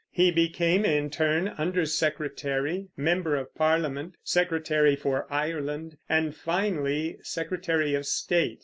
He became in turn Undersecretary, member of Parliament, Secretary for Ireland, and finally Secretary of State.